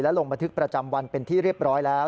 ลงบันทึกประจำวันเป็นที่เรียบร้อยแล้ว